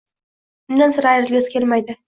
Undan sira ayrilgisi kelmaydi…